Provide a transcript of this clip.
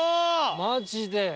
マジで。